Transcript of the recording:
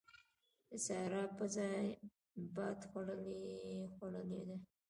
د سارا پزه بادخورې خوړلې ده.